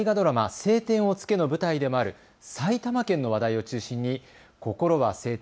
青天を衝けの舞台でもある埼玉県の話題を中心にこころは青天！